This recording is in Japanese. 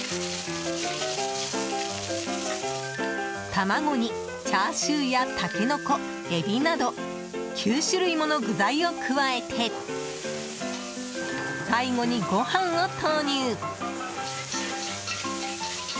卵に、チャーシューやタケノコ、エビなど９種類もの具材を加えて最後に、ご飯を投入。